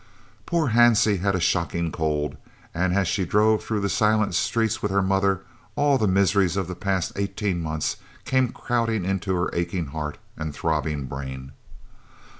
Poor Hansie had a shocking cold, and as she drove through the silent streets with her mother all the miseries of the past eighteen months came crowding into her aching heart and throbbing brain.